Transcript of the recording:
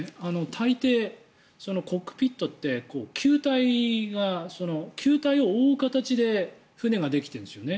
大抵、コックピットって球体を覆う形で船ができているんですよね。